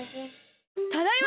ただいま！